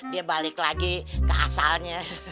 dia balik lagi ke asalnya